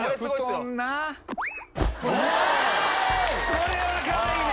これはかわいいね！